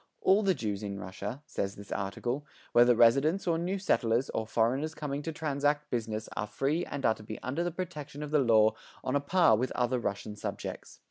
"All the Jews in Russia," says this article, "whether residents or new settlers or foreigners coming to transact business are free and are to be under the protection of the law on a par with other Russian subjects."